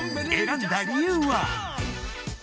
選んだ理由は？